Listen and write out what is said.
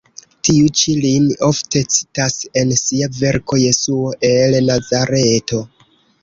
Tiu ĉi lin ofte citas en sia verko Jesuo el Nazareto.